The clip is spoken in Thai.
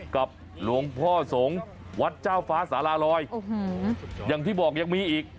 กับหลวงพ่อสงฆ์วัดเจ้าฟ้าสาราลอยอย่างที่บอกยังมีอีก